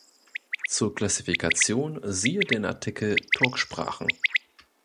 Zur Klassifikation siehe den Artikel Turksprachen.